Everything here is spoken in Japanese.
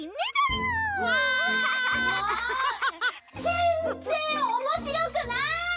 ぜんぜんおもしろくない！